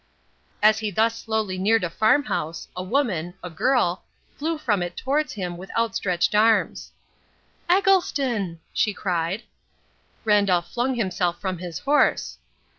As he thus slowly neared a farmhouse, a woman a girl flew from it towards him with outstretched arms. "Eggleston!" she cried. Randolph flung himself from his horse.